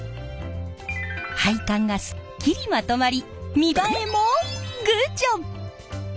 配管がすっきりまとまり見栄えもグッジョブ！